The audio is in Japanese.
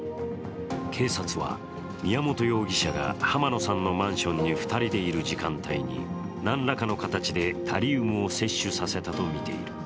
警察は宮本容疑者が濱野さんのマンションに２人でいる時間帯に何らかの形でタリウムを摂取させたとみている。